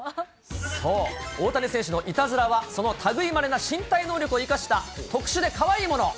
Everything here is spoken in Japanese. そう、大谷選手のいたずらは、そのたぐいまれな身体能力を生かした特殊でかわいいもの。